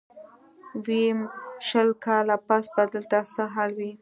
ويم شل کاله پس به دلته څه حال وي.